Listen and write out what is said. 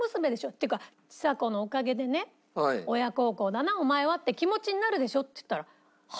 「っていうかちさ子のおかげでね親孝行だなお前はって気持ちになるでしょ？」って言ったら。